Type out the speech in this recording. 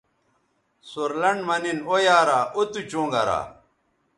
سور لنڈ مہ نِن او یارااو تُو چوں گرا